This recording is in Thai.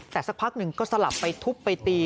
แต่สักพักหนึ่งก็สลับไปทุบไปตี